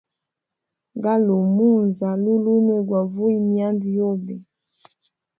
Galua munza lolunwe gwa vuye myanda yobe.